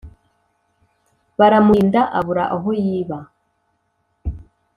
baramuhinda abura aho yiba